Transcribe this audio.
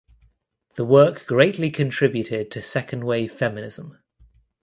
The work greatly contributed to second wave feminism.